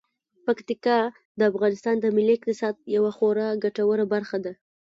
پکتیکا د افغانستان د ملي اقتصاد یوه خورا ګټوره برخه ده.